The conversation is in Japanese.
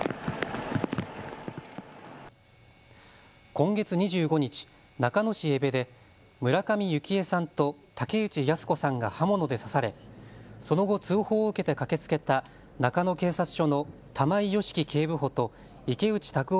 今月２５日、中野市江部で村上幸枝さんと竹内靖子さんが刃物で刺されその後、通報を受けて駆けつけた中野警察署の玉井良樹警部補と池内卓夫